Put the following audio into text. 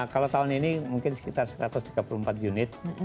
kalau tahun ini mungkin sekitar satu ratus tiga puluh empat unit